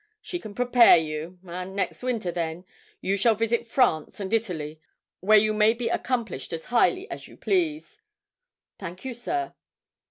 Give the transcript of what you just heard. She can prepare you, and next winter, then, you shall visit France and Italy, where you may be accomplished as highly as you please.' 'Thank you, sir.'